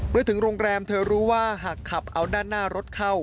ถึงโรงแรมเธอรู้ว่าหากขับเอาด้านหน้ารถเข้า